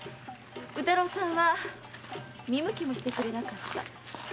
宇太郎さんは見向きもしてくれなかった。